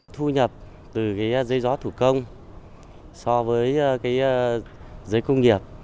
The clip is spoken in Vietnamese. thu nhập từ giấy gió thủ công so với giấy công nghiệp